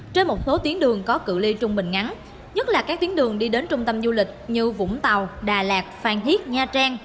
trên một số tuyến đường có cự li trung bình ngắn nhất là các tuyến đường đi đến trung tâm du lịch như vũng tàu đà lạt phan thiết nha trang